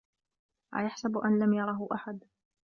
أَيَحسَبُ أَن لَم يَرَهُ أَحَدٌ